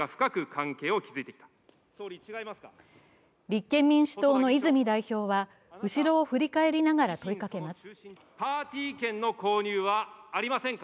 立憲民主党の泉代表は後ろを振り返りながら問いかけます。